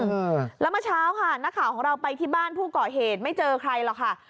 อือแล้วเมื่อเช้าค่ะเราไปที่บ้านผู้เกาะเหตุไม่เจอใครหรอกค่า